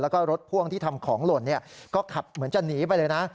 แล้วก็รถพ่วงที่ทำของหล่นก็ขับเหมือนจะหนีไปเลยนะ